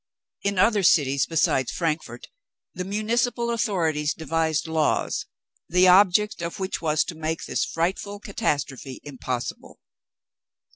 In other cities besides Frankfort, the municipal authorities devised laws, the object of which was to make this frightful catastrophe impossible.